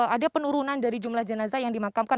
ada penurunan dari jumlah jenazah yang dimakamkan